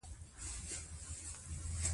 موږ ټول باید پهدې لاره کې مرسته وکړو.